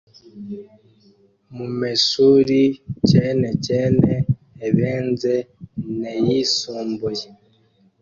mumeshuri cyene cyene ebenze n’eyisumbuye